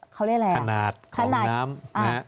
เขาเรียกอะไรอ่ะขนาดของน้ำขนาดไหน